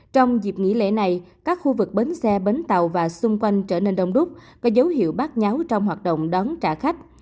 trong dịp nghỉ lễ này các khu vực bến xe bến tàu và xung quanh trở nên đông đúc có dấu hiệu bác nháo trong hoạt động đón trả khách